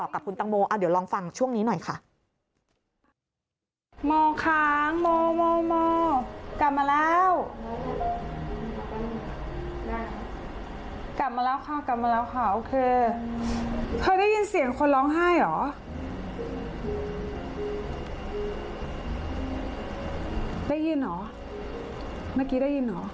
กับคุณตังโมเดี๋ยวลองฟังช่วงนี้หน่อยค่ะ